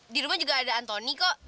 di rumah juga ada antoni kok